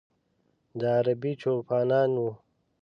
د ه عربي چوپانان و.